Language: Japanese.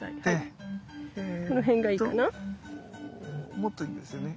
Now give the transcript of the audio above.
もっといいんですよね。